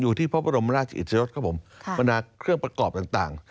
อยู่ที่พระบรมราชอิทธิรกฎประนักเครื่องประกอบต่าง